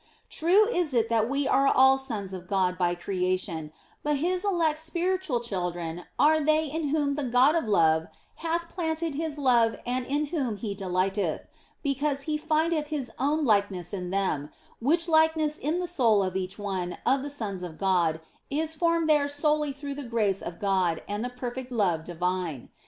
True is it that we are all sons of God by creation, but His elect spiritual children are they in whom the God of love hath planted His love and in whom He delighteth, because He findeth His own like ness in them, which likeness in the soul of each one of the sons of God is formed there solely through the grace of God and the perfect love divine.